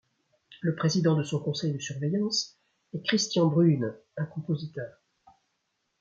Le président de son conseil de surveillance est Christian Bruhn, un compositeur.